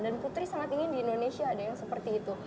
dan putri sangat ingin di indonesia ada yang seperti itu